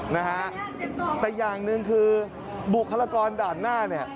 นะฮะแต่อย่างหนึ่งคือบุคลากรด่านหน้าเนี่ย